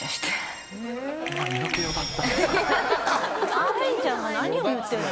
アレンちゃんは何を言ってるの？